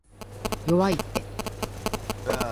弱いって